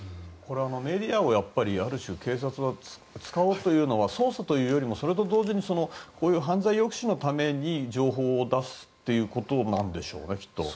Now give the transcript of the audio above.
メディアを、ある種警察は使おうというのは捜査というよりもそれと同時に犯罪抑止のために情報を出すことなんでしょうねきっと。